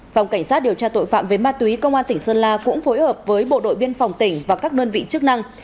phòng cảnh sát điều tra tội phạm về ma túy công an tỉnh sơn la cũng phối hợp với bộ đội biên phòng tỉnh và các đơn vị chức năng